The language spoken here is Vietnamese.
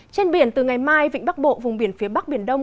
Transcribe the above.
trên biển từ ngày mai vịnh bắc bộ vùng biển phía bắc biển đông